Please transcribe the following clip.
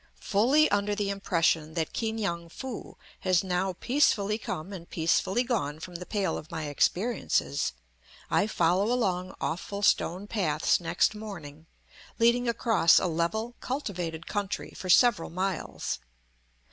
Fully under the impression that Ki ngan foo has now peacefully come and peacefully gone from the pale of my experiences, I follow along awful stone paths next morning, leading across a level, cultivated country for several miles.